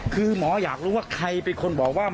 คือหมออยากรู้ว่าใครเป็นคนบอกว่า